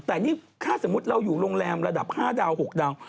แต่นี่ถ้าสมมุติเราอยู่โรงแรมระดับ๕ดาว๖ดาว